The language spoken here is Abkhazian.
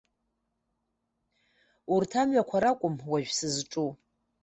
Урҭ амҩақәа ракәым уажә сызҿу.